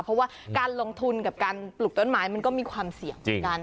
เพราะว่าการลงทุนกับการปลูกต้นไม้มันก็มีความเสี่ยงเหมือนกัน